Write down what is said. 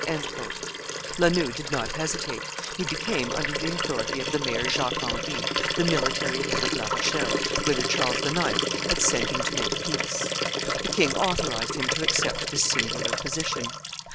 La Noue did not hesitate; he became, under the authority of the mayor Jacques Henri, the military head of La Rochelle, whither Charles IX. had sent him to make peace. The king authorized him to accept this singular position.